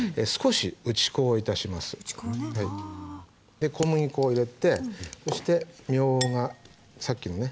で小麦粉を入れてそしてみょうがさっきのね